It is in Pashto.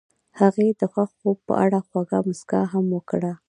هغې د خوښ خوب په اړه خوږه موسکا هم وکړه.